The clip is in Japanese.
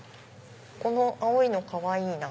この青いのかわいいな。